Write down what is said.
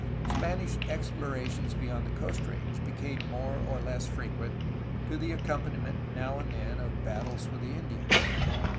Spanish explorations beyond the Coast Range became more or less frequent, to the accompaniment, now and then, of battles with the Indians.